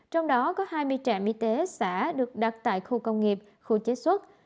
trong đó có hai mươi trạm y tế xã được đặt tại khu công nghiệp khu chế xuất